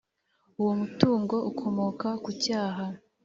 uwo mutungo ukomoka ku cyaha